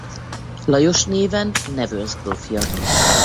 Lajos néven Nevers grófja.